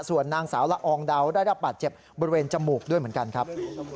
ส่วนนางสาวละอองดาวได้รับบาดเจ็บบริเวณจมูกด้วยเหมือนกันครับ